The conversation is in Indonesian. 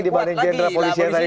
dibanding jenderal polisian